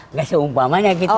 nggak seumpamanya gitu